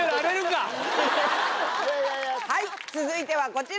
はい続いてはこちら。